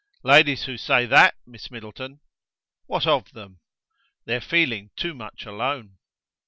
"Ladies who say that, Miss Middleton!. .." "What of them?" "They're feeling too much alone."